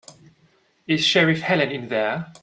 Is Sheriff Helen in there?